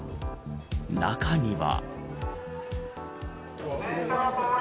中には。